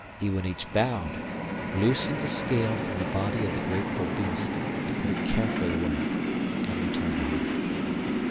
Iwanich bowed, loosened a scale from the body of the grateful beast, put it carefully away, and returned home.